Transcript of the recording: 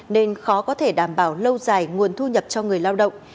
nên khó có thể đảm bảo lâu dài nguồn thu nhập cho người lao động